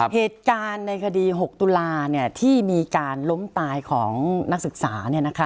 เหตุการณ์ในคดี๖ตุลาที่มีการล้มตายของนักศึกษา